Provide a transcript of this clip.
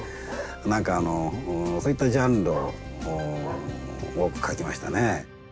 何かあのそういったジャンルを多く描きましたね。